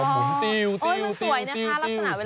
มุนติวมันสวยนะคะลักษณะเวลาขึ้น